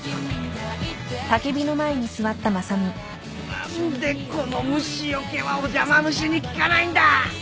何でこの虫よけはお邪魔虫に効かないんだ！